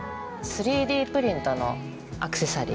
３Ｄプリントのアクセサリー。